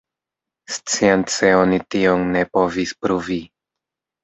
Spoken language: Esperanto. Science oni tion ne povis pruvi.